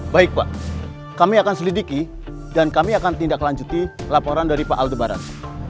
baik pak kami akan selidiki dan kami akan tindaklanjuti laporan dari pak aldebaran